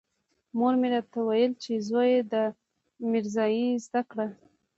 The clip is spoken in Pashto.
مور مې راته ويل چې زويه دا ميرزايي زده کړه.